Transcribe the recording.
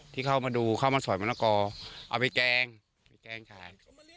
ที่เข้ามาดูเข้ามาสอยมะละกอเอาไปแกงไปแกล้งทาน